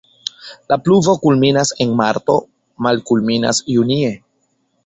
La pluvo kulminas en marto, malkulminas junie.